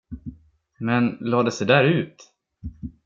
Men, lades det där ut?